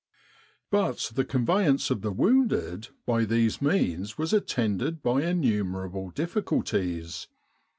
But the conveyance of the wounded by these means was attended by innumerable difficulties.